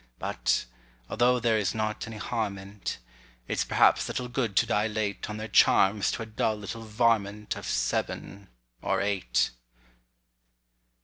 But—although there is not any harm in't— It's perhaps little good to dilate On their charms to a dull little varmint Of seven or eight.